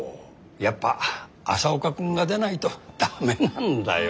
やっぱ朝岡君が出ないと駄目なんだよ。